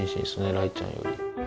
雷ちゃんより。